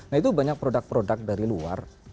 nah itu banyak produk produk dari luar